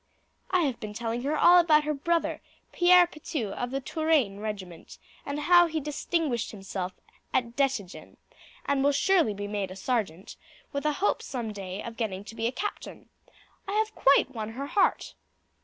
"I have been telling her all about her brother, Pierre Pitou of the Touraine regiment, and how he distinguished himself at Dettingen, and will surely be made a sergeant, with a hope some day of getting to be a captain. I have quite won her heart."